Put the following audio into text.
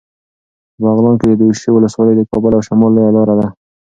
په بغلان کې د دوشي ولسوالي د کابل او شمال لویه لاره ده.